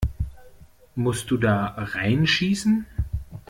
Musst du da reinschießen?